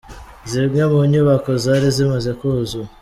Zimwe mu nyubako zari zimaze kuzura.